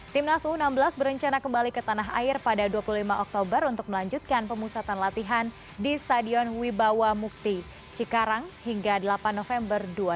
timnas u enam belas berencana kembali ke tanah air pada dua puluh lima oktober untuk melanjutkan pemusatan latihan di stadion wibawa mukti cikarang hingga delapan november dua ribu delapan belas